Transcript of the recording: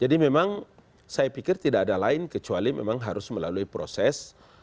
jadi memang saya pikir tidak ada lain kecuali memang harus melalui proses